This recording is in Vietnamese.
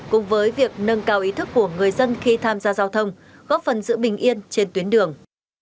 cùng với việc nâng cao ý thức của người dân khi tham gia giao thông góp phần giữ bình yên trên tuyến đường